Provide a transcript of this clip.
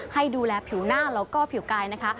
ให้ดูแลผิวหน้าแล้วก็ผิวกายนะคะ